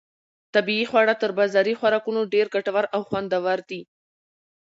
طبیعي خواړه تر بازاري خوراکونو ډېر ګټور او خوندور دي.